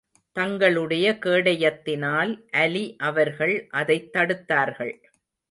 தங்களுடைய கேடயத்தினால், அலி அவர்கள் அதைத் தடுத்தார்கள்.